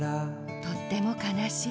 とってもかなしい。